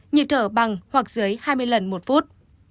như thở bằng hoặc dưới hai mươi lần một phút